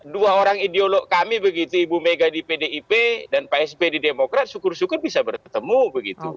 dua orang ideolog kami begitu ibu mega di pdip dan pak sp di demokrat syukur syukur bisa bertemu begitu